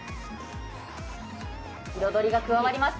彩りが加わります。